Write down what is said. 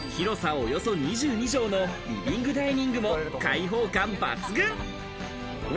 およそ２２帖のリビングダイニングも開放感抜群。